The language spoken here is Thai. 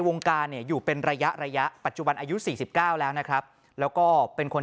วงการเนี่ยอยู่เป็นระยะระยะปัจจุบันอายุ๔๙แล้วนะครับแล้วก็เป็นคน